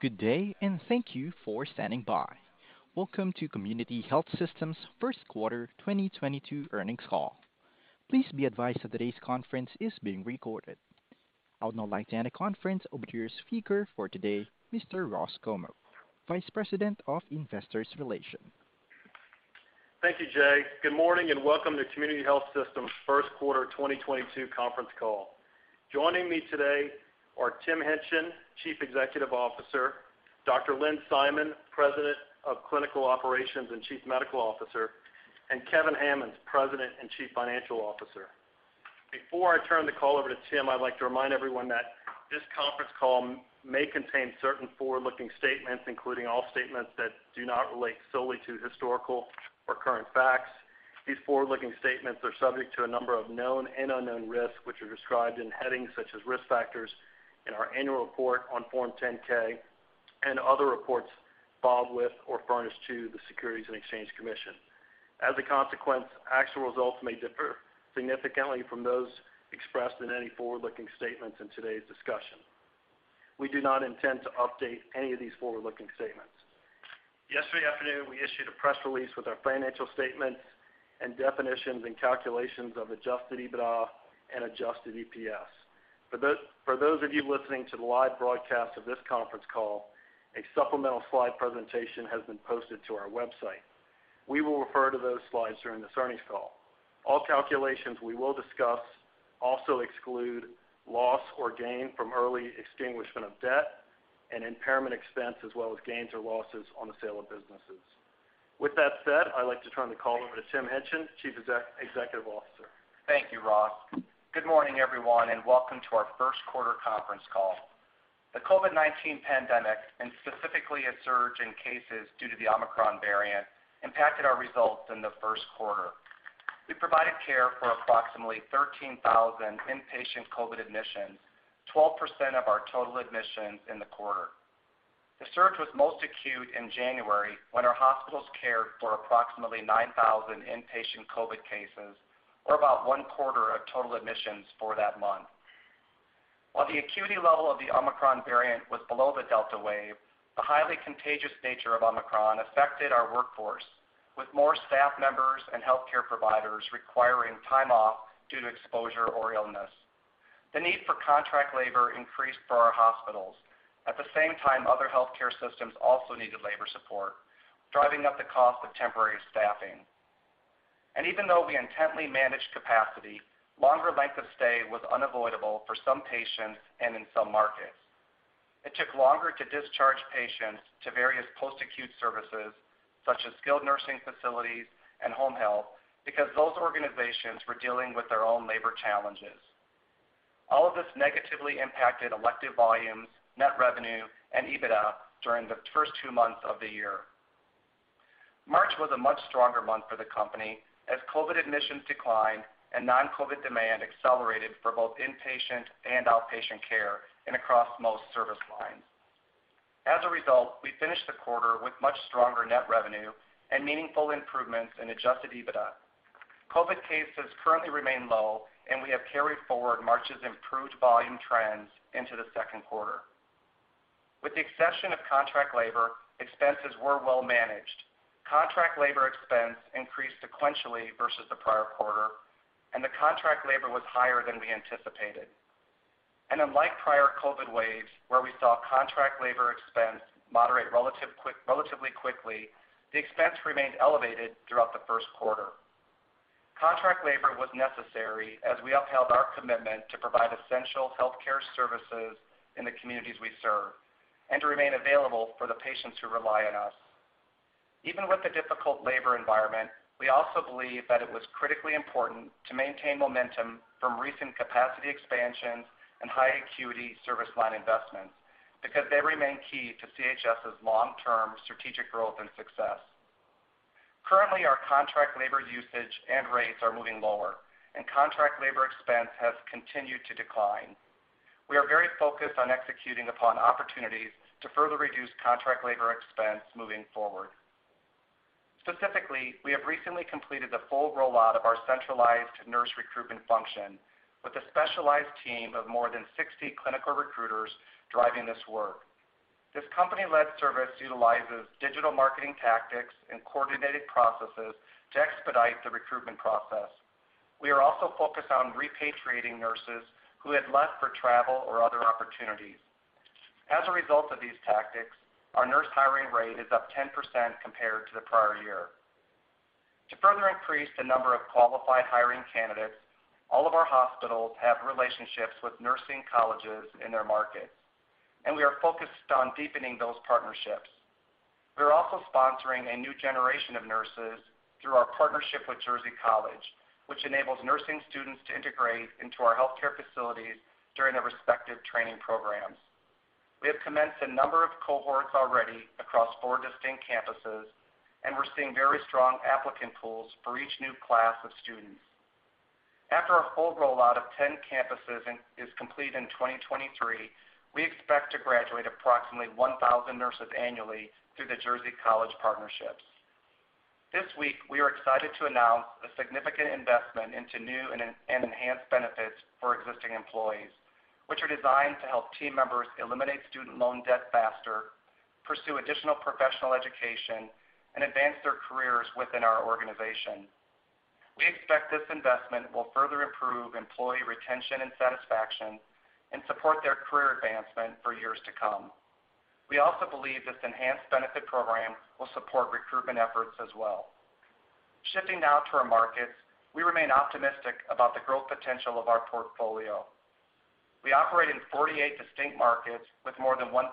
Good day, and thank you for standing by. Welcome to Community Health Systems Q1 2022 Earnings Call. Please be advised that today's conference is being recorded. I would now like to hand the conference over to your speaker for today, Mr. Ross Comeaux, Vice President of Investor Relations. Thank you, Jay. Good morning, and welcome to Community Health Systems Q1 2022 conference call. Joining me today are Tim Hingtgen, Chief Executive Officer, Dr. Lynn Simon, President of Clinical Operations and Chief Medical Officer, and Kevin Hammons, President and Chief Financial Officer. Before I turn the call over to Tim, I'd like to remind everyone that this conference call may contain certain forward-looking statements, including all statements that do not relate solely to historical or current facts. These forward-looking statements are subject to a number of known and unknown risks, which are described in headings such as Risk Factors in our annual report on form 10-K and other reports filed with or furnished to the Securities and Exchange Commission. As a consequence, actual results may differ significantly from those expressed in any forward-looking statements in today's discussion. We do not intend to update any of these forward-looking statements. Yesterday afternoon, we issued a press release with our financial statements and definitions and calculations of adjusted EBITDA and adjusted EPS. For those of you listening to the live broadcast of this conference call, a supplemental slide presentation has been posted to our website. We will refer to those slides during this earnings call. All calculations we will discuss also exclude loss or gain from early extinguishment of debt and impairment expense, as well as gains or losses on the sale of businesses. With that said, I'd like to turn the call over to Tim Hingtgen, Chief Executive Officer. Thank you, Ross. Good morning, everyone, and welcome to our Q1 conference call. The COVID-19 pandemic, and specifically a surge in cases due to the Omicron variant, impacted our results in the Q1. We provided care for approximately 13,000 inpatient COVID admissions, 12% of our total admissions in the quarter. The surge was most acute in January when our hospitals cared for approximately 9,000 inpatient COVID cases, or about one quarter of total admissions for that month. While the acuity level of the Omicron variant was below the Delta wave, the highly contagious nature of Omicron affected our workforce, with more staff members and healthcare providers requiring time off due to exposure or illness. The need for contract labor increased for our hospitals. At the same time, other healthcare systems also needed labor support, driving up the cost of temporary staffing. Even though we intently managed capacity, longer length of stay was unavoidable for some patients and in some markets. It took longer to discharge patients to various post-acute services, such as skilled nursing facilities and home health, because those organizations were dealing with their own labor challenges. All of this negatively impacted elective volumes, net revenue, and EBITDA during the first two months of the year. March was a much stronger month for the company as COVID admissions declined and non-COVID demand accelerated for both inpatient and outpatient care and across most service lines. As a result, we finished the quarter with much stronger net revenue and meaningful improvements in adjusted EBITDA. COVID cases currently remain low, and we have carried forward March's improved volume trends into the Q2. With the exception of contract labor, expenses were well managed. Contract labor expense increased sequentially versus the prior quarter, and the contract labor was higher than we anticipated. Unlike prior COVID waves, where we saw contract labor expense moderate relatively quickly, the expense remained elevated throughout the Q1. Contract labor was necessary as we upheld our commitment to provide essential healthcare services in the communities we serve and to remain available for the patients who rely on us. Even with the difficult labor environment, we also believe that it was critically important to maintain momentum from recent capacity expansions and high acuity service line investments because they remain key to CHS's long-term strategic growth and success. Currently, our contract labor usage and rates are moving lower, and contract labor expense has continued to decline. We are very focused on executing upon opportunities to further reduce contract labor expense moving forward. Specifically, we have recently completed the full rollout of our centralized nurse recruitment function with a specialized team of more than 60 clinical recruiters driving this work. This company-led service utilizes digital marketing tactics and coordinated processes to expedite the recruitment process. We are also focused on repatriating nurses who had left for travel or other opportunities. As a result of these tactics, our nurse hiring rate is up 10% compared to the prior year. To further increase the number of qualified hiring candidates, all of our hospitals have relationships with nursing colleges in their markets, and we are focused on deepening those partnerships. We're also sponsoring a new generation of nurses through our partnership with Jersey College, which enables nursing students to integrate into our healthcare facilities during their respective training programs. We have commenced a number of cohorts already across 4 distinct campuses, and we're seeing very strong applicant pools for each new class of students. After our full rollout of 10 campuses is complete in 2023, we expect to graduate approximately 1,000 nurses annually through the Jersey College partnerships. This week, we are excited to announce a significant investment into new and enhanced benefits for existing employees, which are designed to help team members eliminate student loan debt faster, pursue additional professional education, and advance their careers within our organization. We expect this investment will further improve employee retention and satisfaction and support their career advancement for years to come. We also believe this enhanced benefit program will support recruitment efforts as well. Shifting now to our markets, we remain optimistic about the growth potential of our portfolio. We operate in 48 distinct markets with more than 1,000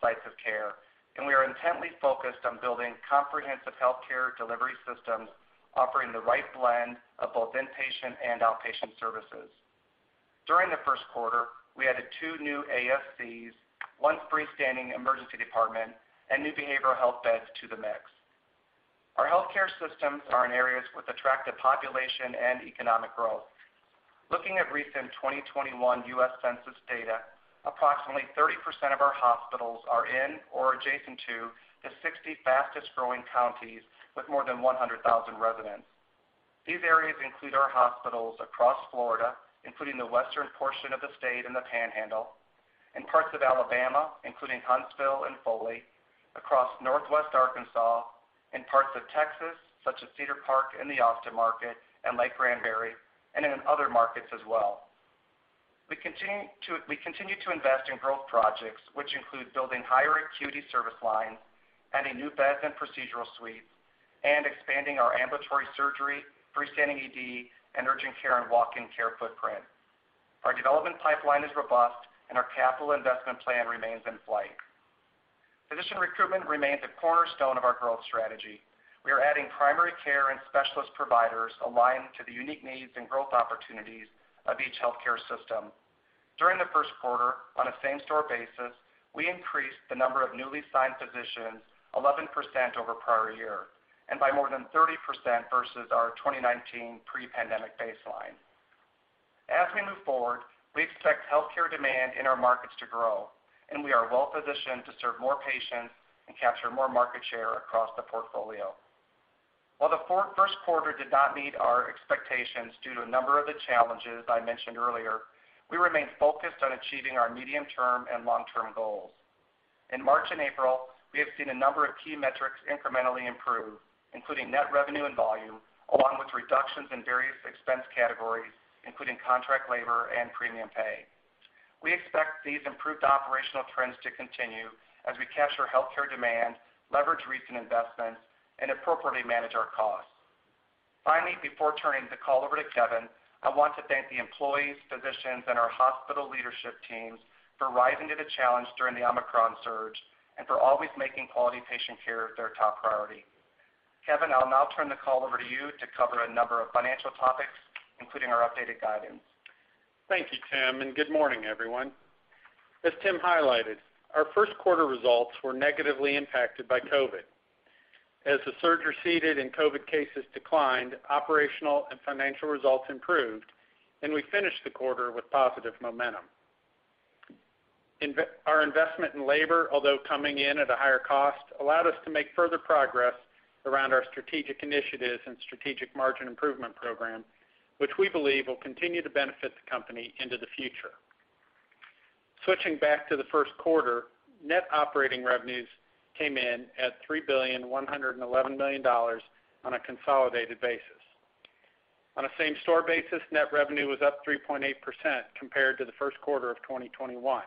sites of care, and we are intently focused on building comprehensive healthcare delivery systems offering the right blend of both inpatient and outpatient services. During the Q1, we added two new ASCs, one freestanding emergency department, and new behavioral health beds to the mix. Our healthcare systems are in areas with attractive population and economic growth. Looking at recent 2021 U.S. Census data, approximately 30% of our hospitals are in or adjacent to the 60 fastest growing counties with more than 100,000 residents. These areas include our hospitals across Florida, including the western portion of the state and the Panhandle, and parts of Alabama, including Huntsville and Foley, across Northwest Arkansas, in parts of Texas, such as Cedar Park in the Austin market and Lake Granbury, and in other markets as well. We continue to invest in growth projects, which include building higher acuity service lines, adding new beds and procedural suites, and expanding our ambulatory surgery, freestanding ED, and urgent care and walk-in care footprint. Our development pipeline is robust, and our capital investment plan remains in flight. Physician recruitment remains a cornerstone of our growth strategy. We are adding primary care and specialist providers aligned to the unique needs and growth opportunities of each healthcare system. During the Q1, on a same-store basis, we increased the number of newly signed physicians 11% over prior year, and by more than 30% versus our 2019 pre-pandemic baseline. As we move forward, we expect healthcare demand in our markets to grow, and we are well-positioned to serve more patients and capture more market share across the portfolio. While the Q1 did not meet our expectations due to a number of the challenges I mentioned earlier, we remain focused on achieving our medium-term and long-term goals. In March and April, we have seen a number of key metrics incrementally improve, including net revenue and volume, along with reductions in various expense categories, including contract labor and premium pay. We expect these improved operational trends to continue as we capture healthcare demand, leverage recent investments, and appropriately manage our costs. Finally, before turning the call over to Kevin, I want to thank the employees, physicians, and our hospital leadership teams for rising to the challenge during the Omicron surge and for always making quality patient care their top priority. Kevin, I'll now turn the call over to you to cover a number of financial topics, including our updated guidance. Thank you, Tim, and good morning, everyone. As Tim highlighted, our Q1 results were negatively impacted by COVID. As the surge receded and COVID cases declined, operational and financial results improved, and we finished the quarter with positive momentum. Our investment in labor, although coming in at a higher cost, allowed us to make further progress around our strategic initiatives and strategic margin improvement program, which we believe will continue to benefit the company into the future. Switching back to the Q1, net operating revenues came in at $3.111 billion on a consolidated basis. On a same-store basis, net revenue was up 3.8% compared to the Q1 of 2021.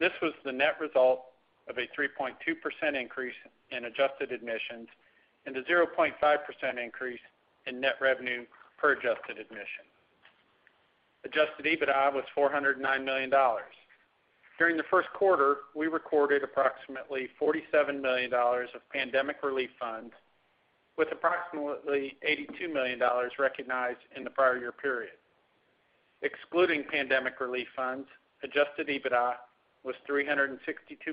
This was the net result of a 3.2% increase in adjusted admissions and a 0.5% increase in net revenue per adjusted admission. Adjusted EBITDA was $409 million. During the Q1, we recorded approximately $47 million of pandemic relief funds, with approximately $82 million recognized in the prior year period. Excluding pandemic relief funds, adjusted EBITDA was $362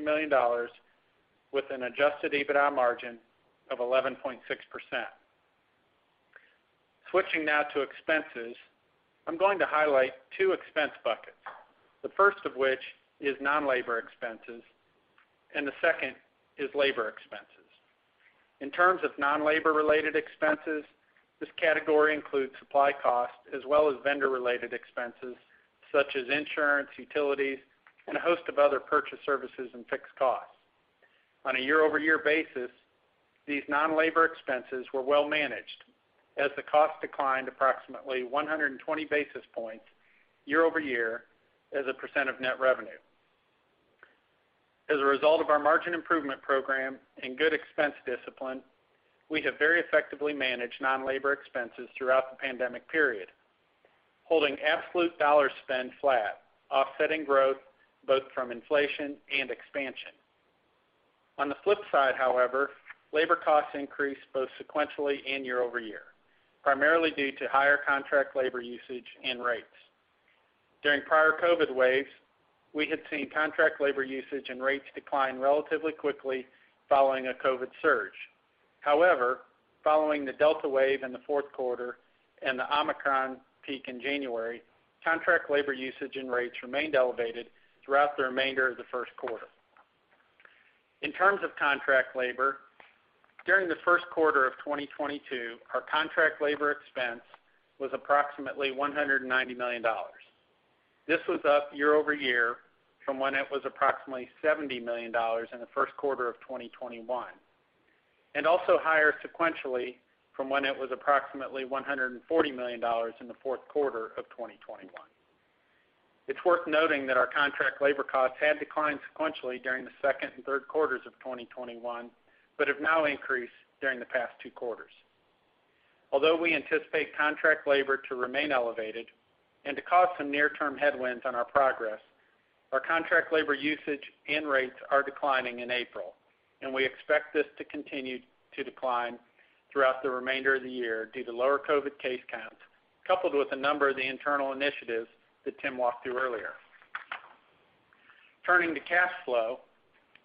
million, with an adjusted EBITDA margin of 11.6%. Switching now to expenses, I'm going to highlight two expense buckets, the first of which is non-labor expenses, and the second is labor expenses. In terms of non-labor related expenses, this category includes supply costs as well as vendor-related expenses such as insurance, utilities, and a host of other purchase services and fixed costs. On a year-over-year basis, these non-labor expenses were well managed as the cost declined approximately 120 basis points year-over-year as a percent of net revenue. As a result of our margin improvement program and good expense discipline, we have very effectively managed non-labor expenses throughout the pandemic period, holding absolute dollar spend flat, offsetting growth both from inflation and expansion. On the flip side, however, labor costs increased both sequentially and year-over-year, primarily due to higher contract labor usage and rates. During prior COVID waves, we had seen contract labor usage and rates decline relatively quickly following a COVID surge. However, following the Delta wave in the Q4 and the Omicron peak in January, contract labor usage and rates remained elevated throughout the remainder of the Q1. In terms of contract labor, during the Q1 of 2022, our contract labor expense was approximately $190 million. This was up year-over-year from when it was approximately $70 million in the Q1 of 2021, and also higher sequentially from when it was approximately $140 million in the Q4 of 2021. It's worth noting that our contract labor costs had declined sequentially during the Q2 and Q3 of 2021, but have now increased during the past two quarters. Although we anticipate contract labor to remain elevated and to cause some near-term headwinds on our progress, our contract labor usage and rates are declining in April, and we expect this to continue to decline throughout the remainder of the year due to lower COVID case counts, coupled with a number of the internal initiatives that Tim walked through earlier. Turning to cash flow.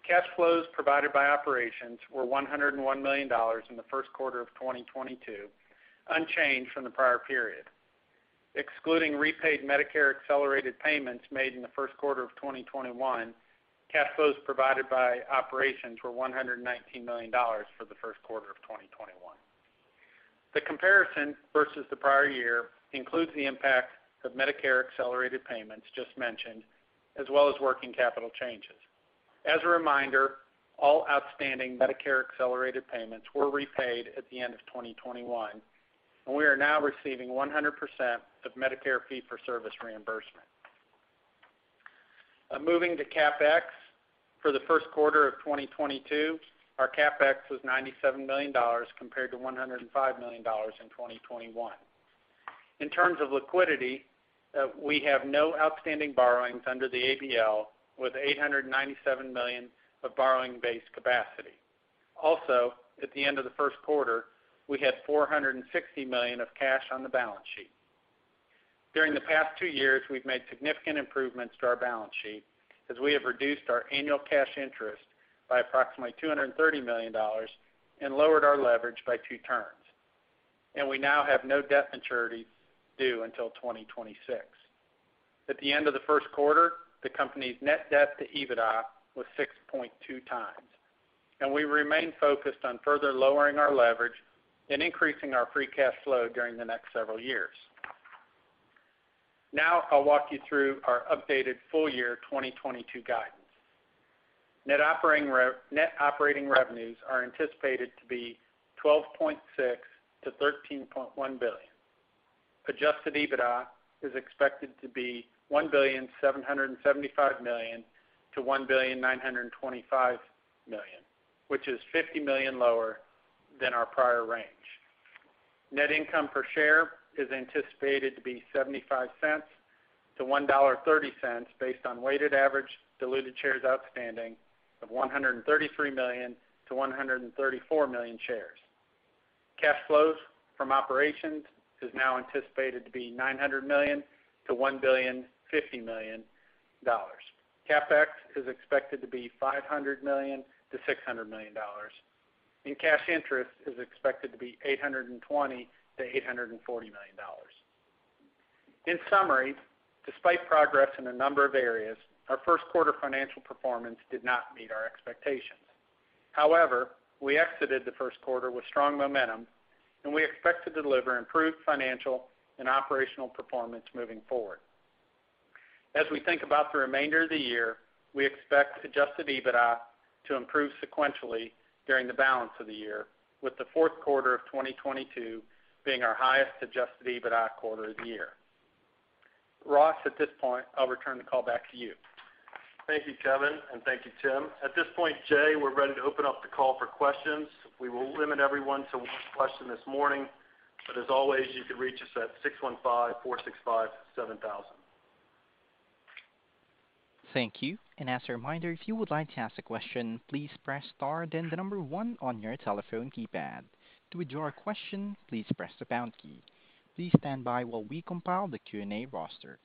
Cash flows provided by operations were $101 million in the Q1 of 2022, unchanged from the prior period. Excluding repaid Medicare accelerated payments made in the Q1 of 2021, cash flows provided by operations were $119 million for the Q1of 2021. The comparison versus the prior year includes the impact of Medicare accelerated payments just mentioned, as well as working capital changes. As a reminder, all outstanding Medicare accelerated payments were repaid at the end of 2021, and we are now receiving 100% of Medicare fee-for-service reimbursement. Moving to CapEx. For the Q1 of 2022, our CapEx was $97 million compared to $105 million in 2021. In terms of liquidity, we have no outstanding borrowings under the ABL with $897 million of borrowing base capacity. Also, at the end of the Q1, we had $460 million of cash on the balance sheet. During the past two years, we've made significant improvements to our balance sheet as we have reduced our annual cash interest by approximately $230 million and lowered our leverage by two turns, and we now have no debt maturities due until 2026. At the end of the Q1, the company's net debt to EBITDA was 6.2x, and we remain focused on further lowering our leverage and increasing our free cash flow during the next several years. Now I'll walk you through our updated full year 2022 guidance. Net operating revenues are anticipated to be $12.6 billion-$13.1 billion. Adjusted EBITDA is expected to be $1.775 billion-$1.925 billion, which is $50 million lower than our prior range. Net income per share is anticipated to be $0.75-$1.30 based on weighted average diluted shares outstanding of 133 million-134 million shares. Cash flows from operations is now anticipated to be $900 million-$1.05 billion. CapEx is expected to be $500 million-$600 million, and cash interest is expected to be $820 million-$840 million. In summary, despite progress in a number of areas, our Q1 financial performance did not meet our expectations. However, we exited the Q1 with strong momentum, and we expect to deliver improved financial and operational performance moving forward. As we think about the remainder of the year, we expect adjusted EBITDA to improve sequentially during the balance of the year, with the Q4 of 2022 being our highest adjusted EBITDA quarter of the year. Ross, at this point, I'll return the call back to you. Thank you, Kevin, and thank you, Tim. At this point, Jay, we're ready to open up the call for questions. We will limit everyone to one question this morning. As always, you can reach us at 615-465-7000. Thank you. As a reminder, if you would like to ask a question, please press star then 1 on your telephone keypad. To withdraw a question, please press the pound key. Please stand by while we compile the Q&A roster.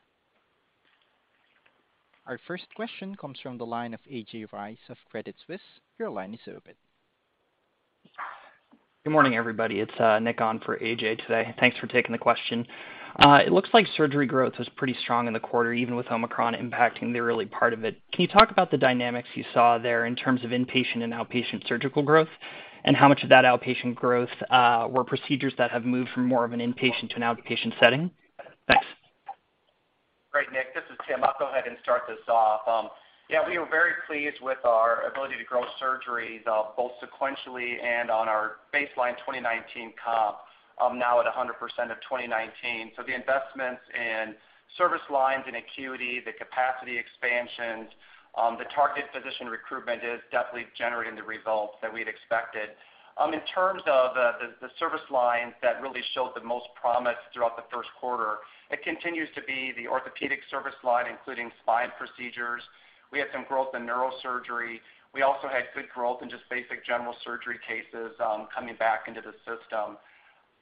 Our first question comes from the line of A.J. Rice of Credit Suisse. Your line is open. Good morning, everybody. It's Nick on for A.J. today. Thanks for taking the question. It looks like surgery growth was pretty strong in the quarter, even with Omicron impacting the early part of it. Can you talk about the dynamics you saw there in terms of inpatient and outpatient surgical growth? How much of that outpatient growth were procedures that have moved from more of an inpatient to an outpatient setting? Thanks. Great, Nick. This is Tim. I'll go ahead and start this off. Yeah, we were very pleased with our ability to grow surgeries, both sequentially and on our baseline 2019 comp, now at 100% of 2019. The investments in service lines and acuity, the capacity expansions, the target physician recruitment is definitely generating the results that we'd expected. In terms of, the service lines that really showed the most promise throughout the Q1, it continues to be the orthopedic service line, including spine procedures. We had some growth in neurosurgery. We also had good growth in just basic general surgery cases, coming back into the system.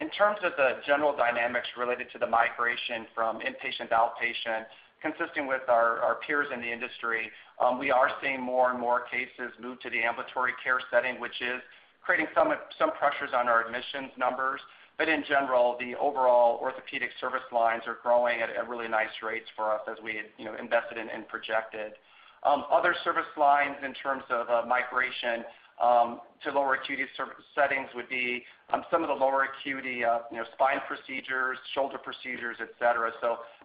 In terms of the general dynamics related to the migration from inpatient to outpatient, consistent with our peers in the industry, we are seeing more and more cases move to the ambulatory care setting, which is creating some pressures on our admissions numbers. In general, the overall orthopedic service lines are growing at really nice rates for us as we had, you know, invested in and projected. Other service lines in terms of migration to lower acuity settings would be some of the lower acuity, you know, spine procedures, shoulder procedures, et cetera.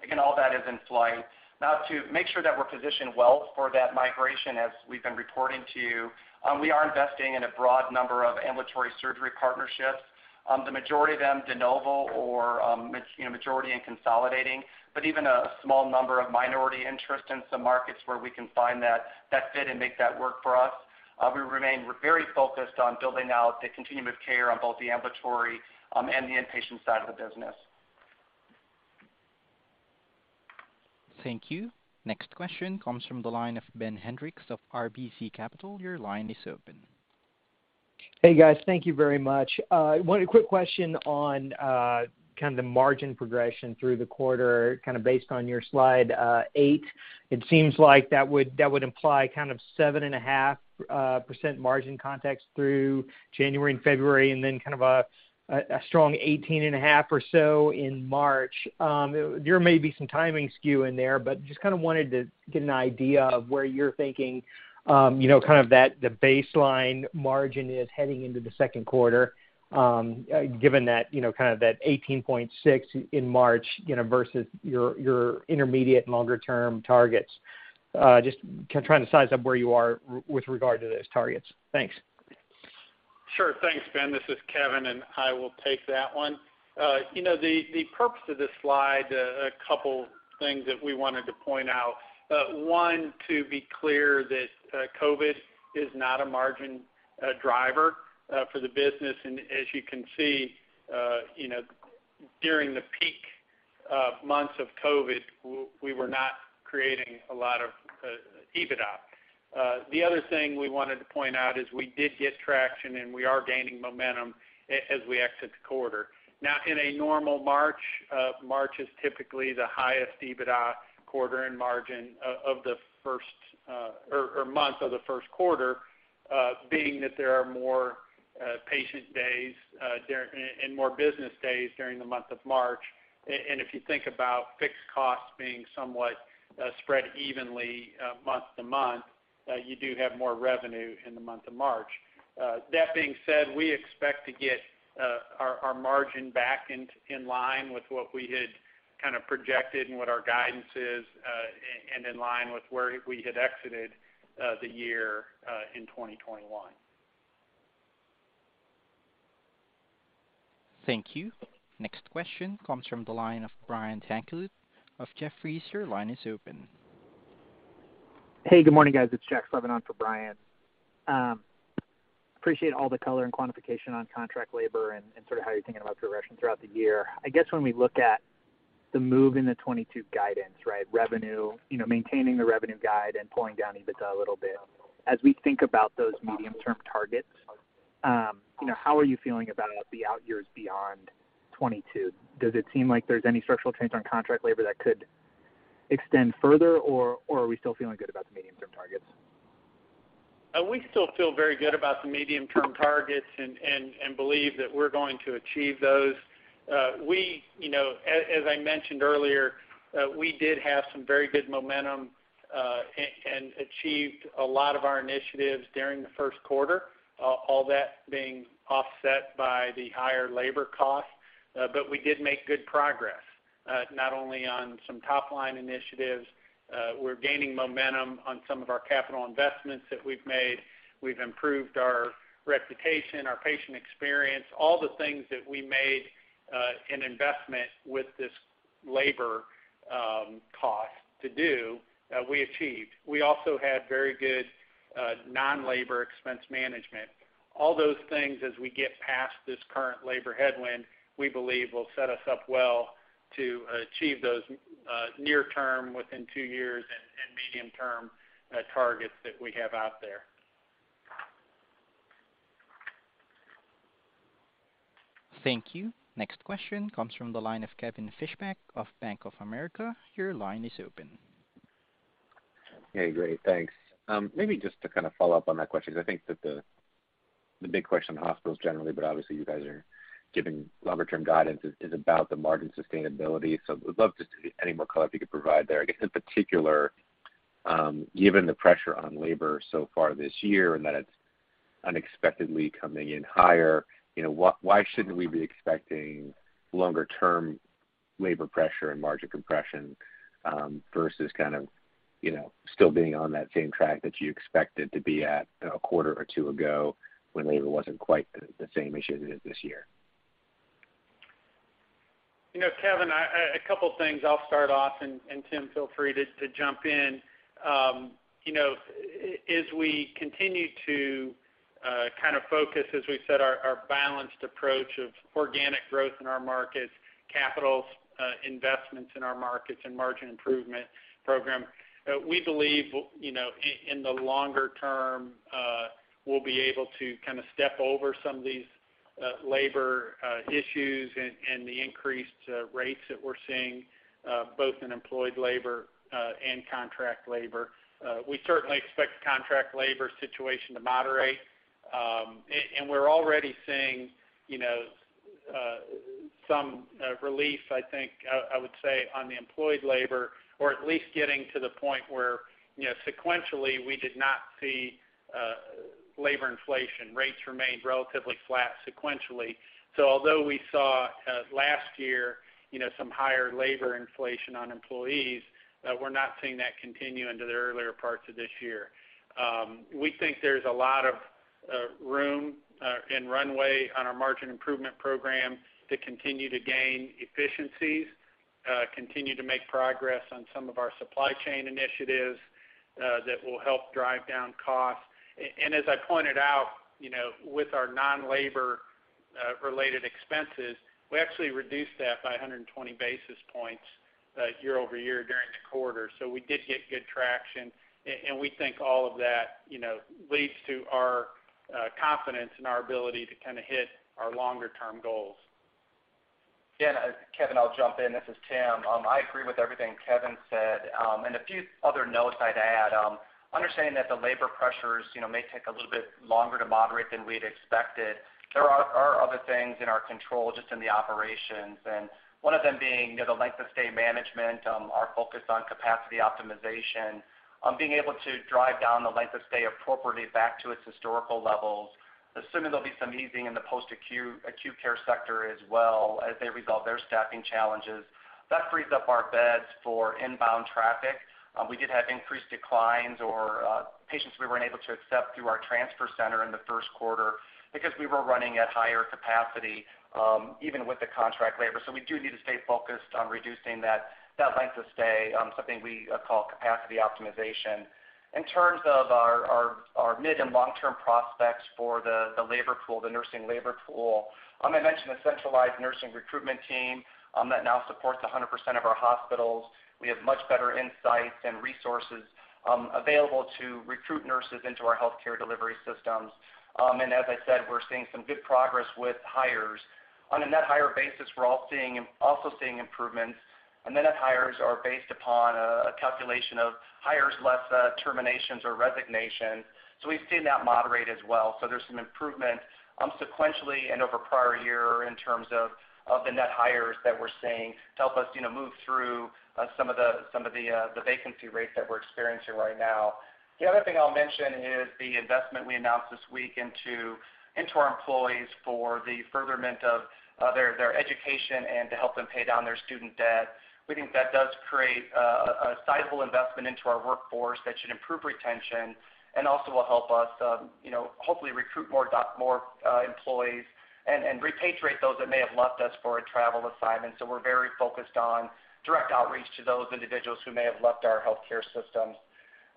Again, all that is in flight. Now to make sure that we're positioned well for that migration as we've been reporting to you, we are investing in a broad number of ambulatory surgery partnerships. The majority of them de novo or, you know, majority in consolidating, but even a small number of minority interest in some markets where we can find that fit and make that work for us. We remain very focused on building out the continuum of care on both the ambulatory and the inpatient side of the business. Thank you. Next question comes from the line of Ben Hendrix of RBC Capital Markets. Your line is open. Hey, guys. Thank you very much. One quick question on kind of the margin progression through the quarter, kind of based on your slide eight. It seems like that would imply kind of 7.5% margin context through January and February, and then kind of a strong 18.5% or so in March. There may be some timing skew in there, but just kinda wanted to get an idea of where you're thinking, you know, kind of that the baseline margin is heading into the Q2, given that, you know, kind of that 18.6% in March, you know, versus your intermediate and longer term targets. Just trying to size up where you are with regard to those targets. Thanks. Sure. Thanks, Ben. This is Kevin, and I will take that one. You know, the purpose of this slide, a couple things that we wanted to point out. One, to be clear that COVID is not a margin driver for the business. As you can see, you know, during the peak months of COVID, we were not creating a lot of EBITDA. The other thing we wanted to point out is we did get traction, and we are gaining momentum as we exit the quarter. Now, in a normal March is typically the highest EBITDA quarter and margin of the first, or month of the Q1, being that there are more patient days during, and more business days during the month of March. If you think about fixed costs being somewhat spread evenly month to month, you do have more revenue in the month of March. That being said, we expect to get our margin back in line with what we had kinda projected and what our guidance is, in line with where we had exited the year in 2021. Thank you. Next question comes from the line of Brian Tanquilut of Jefferies. Your line is open. Hey, good morning, guys. It's Jack Slevin on for Brian. Appreciate all the color and quantification on contract labor and sort of how you're thinking about progression throughout the year. I guess when we look at the move in the 2022 guidance, right, revenue, you know, maintaining the revenue guide and pulling down EBITDA a little bit, as we think about those medium-term targets, you know, how are you feeling about the out years beyond 2022? Does it seem like there's any structural change on contract labor that could extend further, or are we still feeling good about the medium-term targets? We still feel very good about the medium-term targets and believe that we're going to achieve those. We, you know, as I mentioned earlier, we did have some very good momentum and achieved a lot of our initiatives during the Q1, all that being offset by the higher labor costs. We did make good progress, not only on some top-line initiatives, we're gaining momentum on some of our capital investments that we've made. We've improved our reputation, our patient experience, all the things that we made an investment with this labor cost to do, we achieved. We also had very good non-labor expense management. All those things, as we get past this current labor headwind, we believe will set us up well to achieve those near term, within two years, and medium term targets that we have out there. Thank you. Next question comes from the line of Kevin Fischbeck of Bank of America. Your line is open. Hey, great. Thanks. Maybe just to kind of follow up on that question, because I think that the big question in hospitals generally, but obviously you guys are giving longer term guidance, is about the margin sustainability. Would love just any more color you could provide there. I guess in particular, given the pressure on labor so far this year and that it's unexpectedly coming in higher, you know, why shouldn't we be expecting longer term labor pressure and margin compression, versus kind of, you know, still being on that same track that you expected to be at a quarter or two ago when labor wasn't quite the same issue that it is this year? You know, Kevin, a couple things I'll start off, and Tim, feel free to jump in. You know, as we continue to kind of focus, as we've said, our balanced approach of organic growth in our markets, capital investments in our markets, and margin improvement program, we believe, you know, in the longer term, we'll be able to kinda step over some of these labor issues and the increased rates that we're seeing, both in employed labor and contract labor. We certainly expect the contract labor situation to moderate. We're already seeing, you know, some relief, I think, I would say on the employed labor or at least getting to the point where, you know, sequentially we did not see labor inflation. Rates remained relatively flat sequentially. Although we saw last year, you know, some higher labor inflation on employees, we're not seeing that continue into the earlier parts of this year. We think there's a lot of room and runway on our margin improvement program to continue to gain efficiencies, continue to make progress on some of our supply chain initiatives, that will help drive down costs. As I pointed out, you know, with our non-labor related expenses, we actually reduced that by 120 basis points year-over-year during the quarter, so we did get good traction. We think all of that, you know, leads to our confidence in our ability to kinda hit our longer-term goals. Yeah, Kevin, I'll jump in. This is Tim. I agree with everything Kevin said. A few other notes I'd add. Understanding that the labor pressures, you know, may take a little bit longer to moderate than we'd expected, there are other things in our control just in the operations, and one of them being, you know, the length of stay management, our focus on capacity optimization, being able to drive down the length of stay appropriately back to its historical levels. Assuming there'll be some easing in the post-acute care sector as well as they resolve their staffing challenges, that frees up our beds for inbound traffic. We did have increased declines or patients we weren't able to accept through our transfer center in the Q1 because we were running at higher capacity, even with the contract labor. We do need to stay focused on reducing that length of stay, something we call capacity optimization. In terms of our mid and long-term prospects for the labor pool, the nursing labor pool, I mentioned the centralized nursing recruitment team that now supports 100% of our hospitals. We have much better insights and resources available to recruit nurses into our healthcare delivery systems. As I said, we're seeing some good progress with hires. On a net hire basis, we're also seeing improvements. Net hires are based upon a calculation of hires less terminations or resignations. We've seen that moderate as well. There's some improvement sequentially and over prior year in terms of the net hires that we're seeing to help us, you know, move through some of the vacancy rates that we're experiencing right now. The other thing I'll mention is the investment we announced this week into our employees for the furtherment of their education and to help them pay down their student debt. We think that does create a sizable investment into our workforce that should improve retention and also will help us, you know, hopefully recruit more employees and repatriate those that may have left us for a travel assignment. We're very focused on direct outreach to those individuals who may have left our healthcare systems.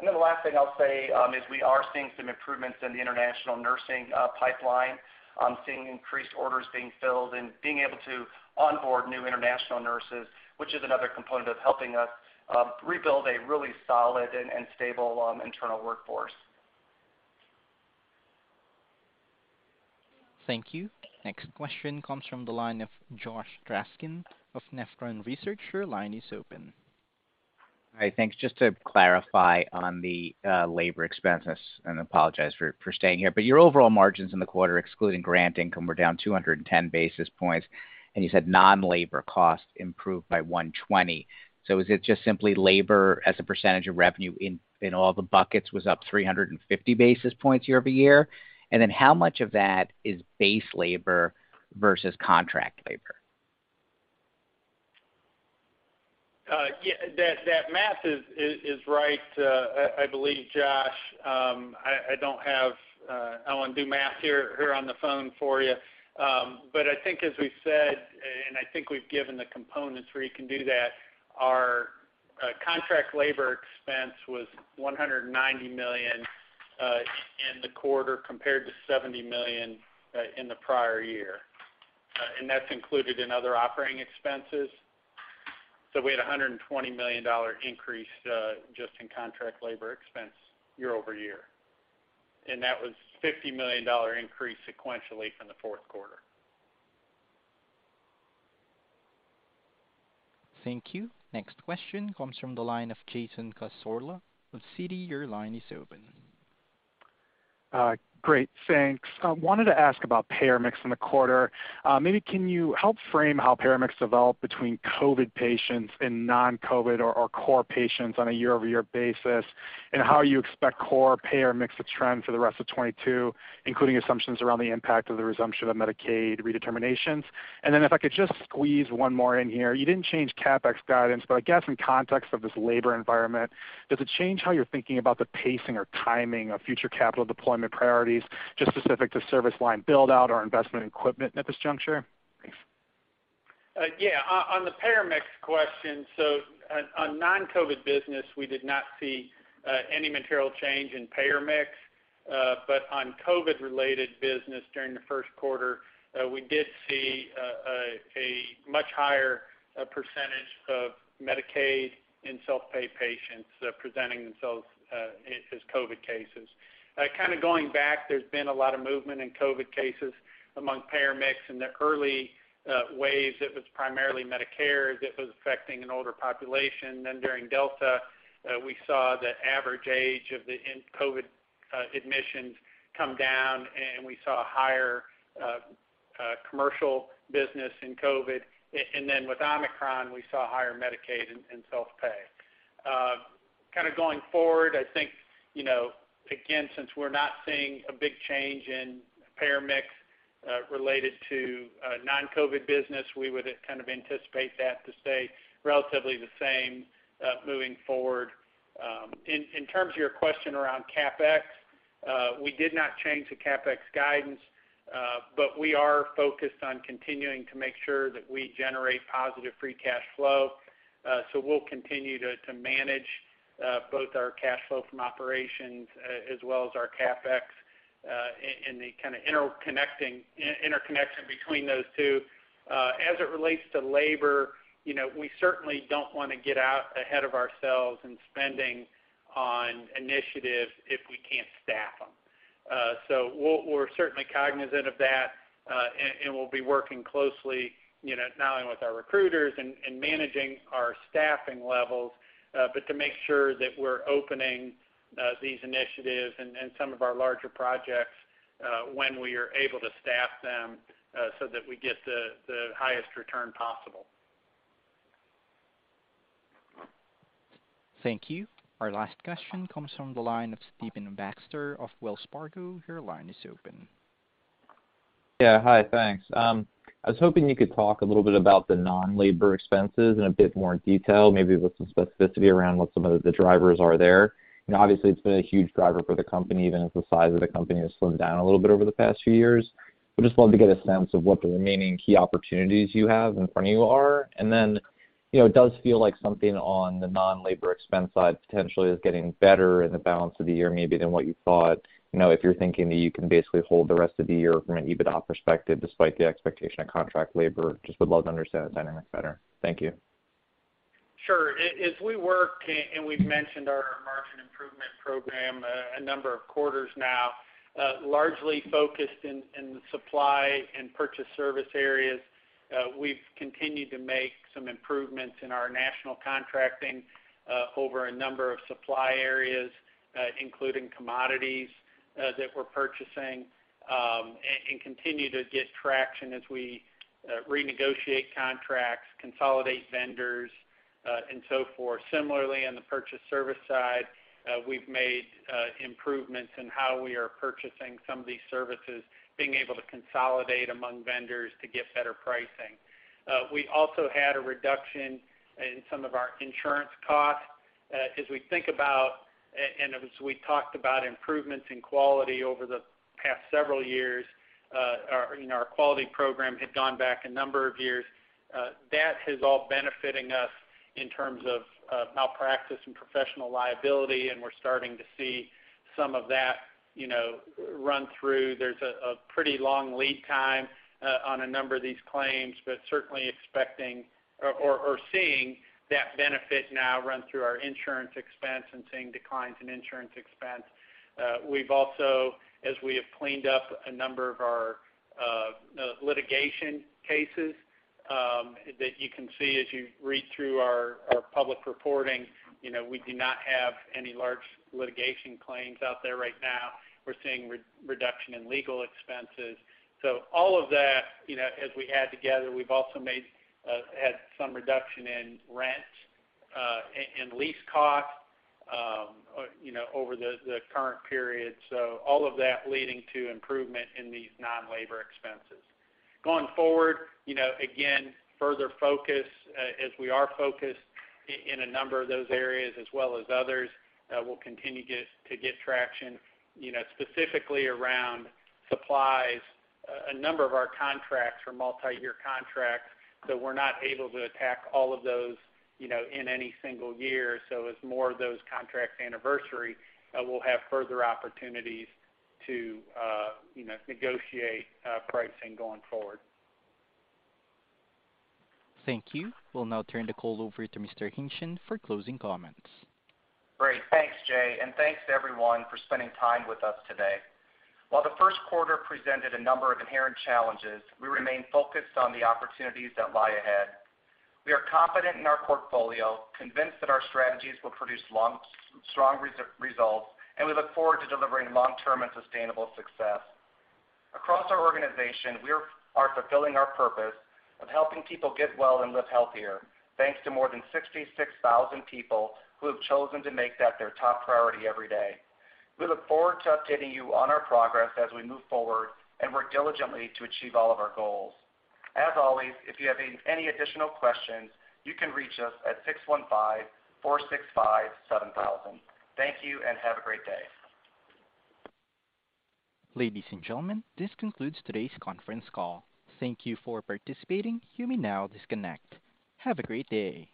The last thing I'll say is we are seeing some improvements in the international nursing pipeline. Seeing increased orders being filled and being able to onboard new international nurses, which is another component of helping us rebuild a really solid and stable internal workforce. Thank you. Next question comes from the line of Josh Raskin of Nephron Research. Your line is open. Hi, thanks. Just to clarify on the labor expenses, and apologize for staying here, but your overall margins in the quarter, excluding grant income, were down 210 basis points, and you said non-labor costs improved by 120. Is it just simply labor as a percentage of revenue in all the buckets was up 350 basis points year-over-year? And then how much of that is base labor versus contract labor? Yeah, that math is right, I believe, Josh. I don't have, I don't wanna do math here on the phone for you. I think as we said, and I think we've given the components where you can do that, our contract labor expense was $190 million in the quarter compared to $70 million in the prior year. That's included in other operating expenses. We had a $120 million dollar increase just in contract labor expense year-over-year. That was $50 million dollar increase sequentially from the Q4. Thank you. Next question comes from the line of Jason Cassorla of Citi. Your line is open. Great. Thanks. I wanted to ask about payer mix in the quarter. Maybe can you help frame how payer mix developed between COVID patients and non-COVID or core patients on a year-over-year basis, and how you expect core payer mix to trend for the rest of 2022, including assumptions around the impact of the resumption of Medicaid redeterminations? If I could just squeeze one more in here. You didn't change CapEx guidance, but I guess in context of this labor environment, does it change how you're thinking about the pacing or timing of future capital deployment priorities, just specific to service line build-out or investment in equipment at this juncture? Thanks. On the payer mix question, on non-COVID business, we did not see any material change in payer mix. On COVID-related business during the Q1, we did see a much higher percentage of Medicaid and self-pay patients presenting themselves as COVID cases. Kind of going back, there's been a lot of movement in COVID cases among payer mix. In the early waves, it was primarily Medicare that was affecting an older population. During Delta, we saw the average age of the COVID admissions come down, and we saw a higher commercial business in COVID. With Omicron, we saw higher Medicaid and self-pay. Kinda going forward, I think, you know, again, since we're not seeing a big change in payer mix related to non-COVID business, we would kind of anticipate that to stay relatively the same moving forward. In terms of your question around CapEx, we did not change the CapEx guidance, but we are focused on continuing to make sure that we generate positive free cash flow. So we'll continue to manage both our cash flow from operations as well as our CapEx in the interconnection between those two. As it relates to labor, you know, we certainly don't wanna get out ahead of ourselves in spending on initiatives if we can't staff them. We're certainly cognizant of that, and we'll be working closely, you know, not only with our recruiters and managing our staffing levels, but to make sure that we're opening these initiatives and some of our larger projects when we are able to staff them, so that we get the highest return possible. Thank you. Our last question comes from the line of Stephen Baxter of Wells Fargo. Your line is open. Yeah, hi. Thanks. I was hoping you could talk a little bit about the non-labor expenses in a bit more detail, maybe with some specificity around what some of the drivers are there. You know, obviously, it's been a huge driver for the company, even as the size of the company has slowed down a little bit over the past few years. I'd just love to get a sense of what the remaining key opportunities you have in front of you are. You know, it does feel like something on the non-labor expense side potentially is getting better in the balance of the year maybe than what you thought. You know, if you're thinking that you can basically hold the rest of the year from an EBITDA perspective despite the expectation of contract labor. Just would love to understand the dynamics better. Thank you. Sure. As we work, and we've mentioned our margin improvement program a number of quarters now, largely focused in the supply and purchase service areas. We've continued to make some improvements in our national contracting over a number of supply areas, including commodities that we're purchasing, and continue to get traction as we renegotiate contracts, consolidate vendors, and so forth. Similarly, on the purchase service side, we've made improvements in how we are purchasing some of these services, being able to consolidate among vendors to get better pricing. We also had a reduction in some of our insurance costs. As we think about and as we talked about improvements in quality over the past several years, you know, our quality program had gone back a number of years. That is all benefiting us in terms of malpractice and professional liability, and we're starting to see some of that, you know, run through. There's a pretty long lead time on a number of these claims, but certainly expecting or seeing that benefit now run through our insurance expense and seeing declines in insurance expense. We've also, as we have cleaned up a number of our litigation cases, that you can see as you read through our public reporting, you know, we do not have any large litigation claims out there right now. We're seeing reduction in legal expenses. All of that, you know, as we add together, we've also had some reduction in rent and lease costs, you know, over the current period. All of that leading to improvement in these non-labor expenses. Going forward, you know, again, further focus, as we are focused in a number of those areas as well as others, we'll continue to get traction, you know, specifically around supplies. A number of our contracts are multiyear contracts, so we're not able to attack all of those, you know, in any single year. As more of those contracts anniversary, we'll have further opportunities to, you know, negotiate pricing going forward. Thank you. We'll now turn the call over to Mr. Hingtgen for closing comments. Great. Thanks, Jay. Thanks to everyone for spending time with us today. While the Q1 presented a number of inherent challenges, we remain focused on the opportunities that lie ahead. We are confident in our portfolio, convinced that our strategies will produce long, strong results, and we look forward to delivering long-term and sustainable success. Across our organization, we're fulfilling our purpose of helping people get well and live healthier, thanks to more than 66,000 people who have chosen to make that their top priority every day. We look forward to updating you on our progress as we move forward and work diligently to achieve all of our goals. As always, if you have any additional questions, you can reach us at 615-465-7000. Thank you and have a great day. Ladies and gentlemen, this concludes today's conference call. Thank you for participating. You may now disconnect. Have a great day.